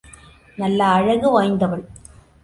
நல்ல அழகு வாய்ந்தவள்.